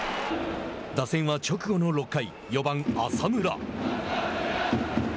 打線は直後の６回、４番、浅村。